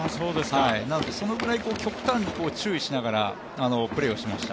なので、そのぐらい極端に注意しながらプレーをしました。